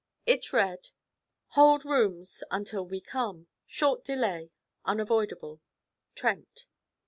It read: 'Hold rooms until we come. Short delay. Unavoidable. 'TRENT.'